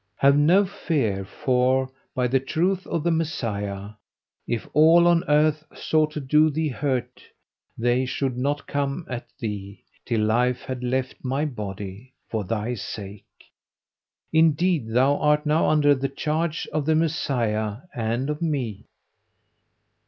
Have no fear for, by the truth of the Messiah, if all on earth sought to do thee hurt they should not come at thee, till life had left my body for thy sake: indeed thou art now under the charge of the Messiah and of me."